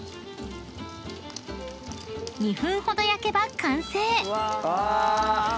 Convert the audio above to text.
［２分ほど焼けば完成］